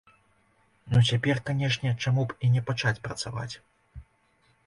Ну, цяпер, канешне, чаму б і не пачаць працаваць.